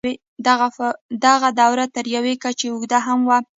دغه دوره تر یوې کچې اوږده هم وه.